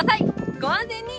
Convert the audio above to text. ご安全に！